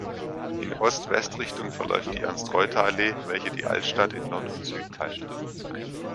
In Ost-West-Richtung verläuft die Ernst-Reuter-Allee, welche die Altstadt in Nord und Süd teilt.